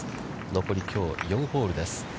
残り、きょう、４ホールです。